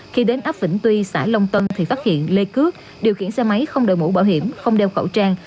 khi đến ấp vĩnh tuy xã long tân thì phát hiện lê cước điều khiển xe máy không đợi mũ bảo hiểm không đeo khẩu trang